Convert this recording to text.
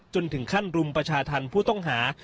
จนถึงขั้นรุมประชาธรรมผู้ต้องหา